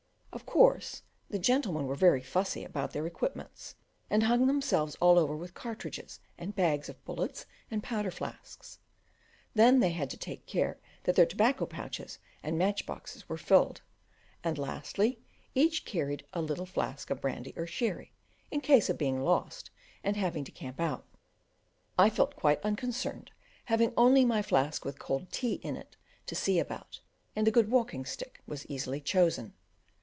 Of course the gentlemen were very fussy about their equipments, and hung themselves all over with cartridges and bags of bullets and powder flasks; then they had to take care that their tobacco pouches and match boxes were filled; and lastly, each carried a little flask of brandy or sherry, in case of being lost and having to camp out. I felt quite unconcerned, having only my flask with cold tea in it to see about, and a good walking stick was easily chosen.